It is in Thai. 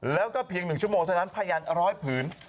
แล้วก็เพียง๑ชั่วโมงเท่านั้นพยานร้อยผืน